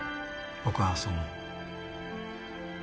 僕はそう思う。